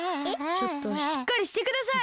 ちょっとしっかりしてください！